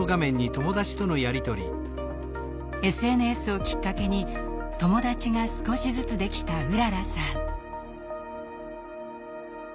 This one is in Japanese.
ＳＮＳをきっかけに友達が少しずつできたうららさん。